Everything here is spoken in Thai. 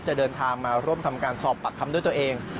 จะเดินทางมาร่วมทำการสอบปากคำด้วยตัวเอง